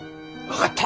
分かった。